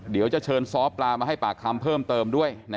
เดี๋ยวจะเชิญซ้อปลามาให้ปากคำเพิ่มเติมด้วย